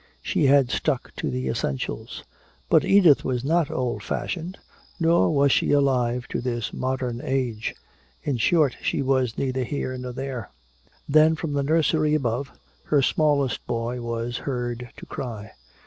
She had stuck to the essentials!... But Edith was not old fashioned, nor was she alive to this modern age. In short, she was neither here nor there! Then from the nursery above, her smallest boy was heard to cry.